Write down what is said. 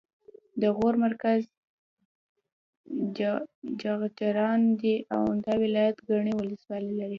د غور مرکز چغچران دی او دا ولایت ګڼې ولسوالۍ لري